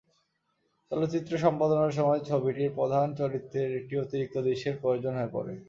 চলচ্চিত্র সম্পাদনার সময় ছবিটির প্রধান চরিত্রের একটি অতিরিক্ত দৃশ্যের প্রয়োজন হয়ে পড়ে।